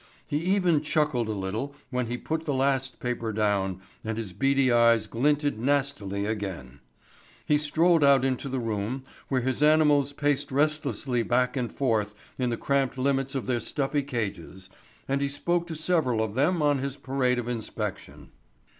He even chuckled a little when he put the last paper down and his beady eyes glinted nastily again. He strolled out into the room where his animals paced restlessly back and forth in the cramped limits of their stuffy cages and he spoke to several of them on his parade of inspection.